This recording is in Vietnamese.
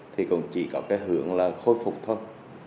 thì còn chỉ có cái hưởng là khôi phục thôi